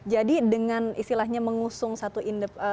jadi dengan istilahnya mengusung satu calon independent